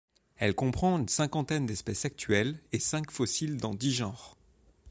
Elle comprend une cinquantaine espèces actuelles et cinq fossiles dans dix genres.